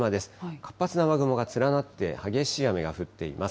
活発な雨雲が連なって、激しい雨が降っています。